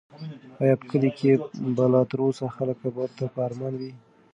ایا په کلي کې به لا تر اوسه خلک کباب ته په ارمان وي؟